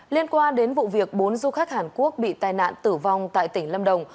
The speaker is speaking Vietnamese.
liên quan đến vụ việc bốn du khách hàn quốc bị tai nạn tử vong tại tỉnh lâm đồng